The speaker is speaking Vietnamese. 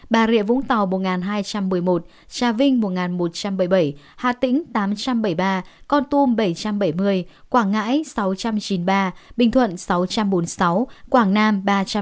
bà rịa vũng tàu một hai trăm một mươi một trà vinh một một trăm bảy mươi bảy hà tĩnh tám bảy mươi ba con tôm bảy bảy mươi quảng ngãi sáu chín mươi ba bình thuận sáu bốn mươi sáu quảng nam ba hai mươi tám